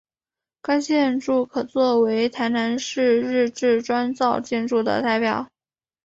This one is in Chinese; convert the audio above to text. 该建筑可做为台南市日治砖造建筑的代表。